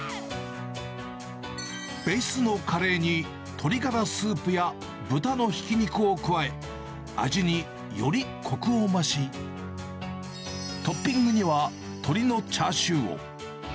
ベースのカレーに、鶏ガラスープや豚のひき肉を加え、味によりこくを増し、トッピングには、鶏のチャーシューを。